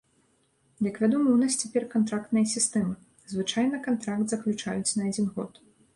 Як вядома, у нас цяпер кантрактная сістэма, звычайна кантракт заключаюць на адзін год.